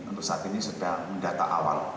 untuk saat ini sedang mendata awal